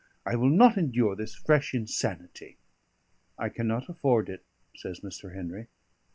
I will not endure this fresh insanity." "I cannot afford it," says Mr. Henry.